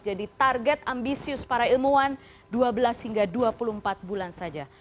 jadi target ambisius para ilmuwan dua belas hingga dua puluh empat bulan saja